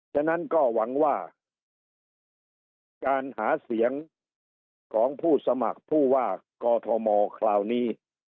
ฉะนั้นก็หวังว่าการหาเสียงของผู้สมัครผู้ว่ากอทมคราวนี้